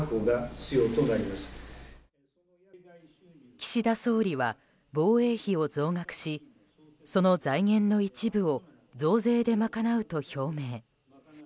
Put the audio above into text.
岸田総理は防衛費を増額しその財源の一部を増税で賄うと表明。